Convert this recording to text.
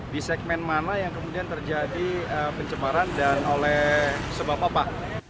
di segmen mana yang kemudian terjadi pencemaran dan oleh sebab apa